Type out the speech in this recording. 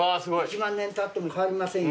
１万年たっても変わりませんよ。